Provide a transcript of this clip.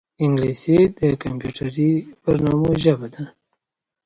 انګلیسي د کمپیوټري برنامو ژبه ده